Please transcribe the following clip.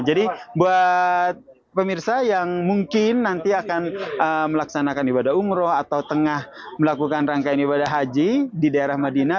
jadi buat pemirsa yang mungkin nanti akan melaksanakan ibadah umroh atau tengah melakukan rangkaian ibadah haji di daerah madinah